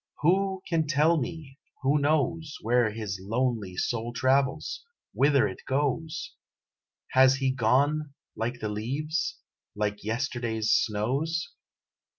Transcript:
Who can tell me who knows, Where his lonely soul travels? Whither it goes? Has he gone like the leaves? Like yesterday's snows?